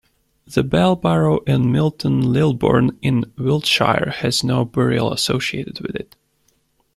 The bell barrow in Milton Lilbourne in Wiltshire has no burial associated with it.